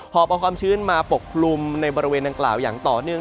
อบเอาความชื้นมาปกคลุมในบริเวณดังกล่าวอย่างต่อเนื่อง